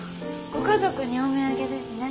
ご家族にお土産ですね。